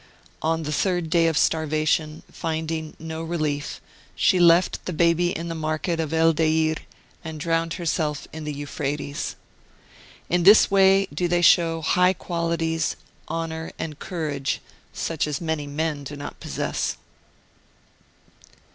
On the third day of starvation, finding no relief, she left the baby in the market of El Deir and drowned herself in the Euphrates. In this way do they show high qualities, honour, and courage such as many men do not possess.